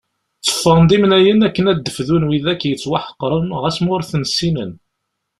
Tteffɣen imnayen akken ad d-fdun wid akk yettwaḥeqren ɣas ma ur ten-ssinen.